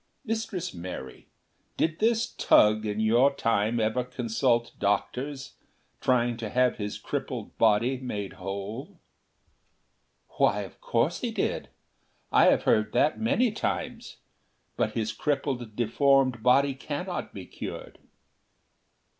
Mistress Mary, did this Tugh in your Time ever consult doctors, trying to have his crippled body made whole?" "Why, of course he did. I have heard that many times. But his crippled, deformed body cannot be cured."